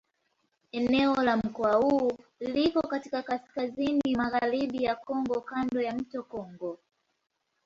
Eneo la mkoa huu liko katika kaskazini-magharibi ya Kongo kando ya mto Kongo.